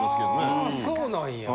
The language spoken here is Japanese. はぁそうなんや。